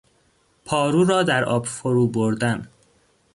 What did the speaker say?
پارو را در آب فرو بردن